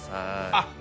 あっ。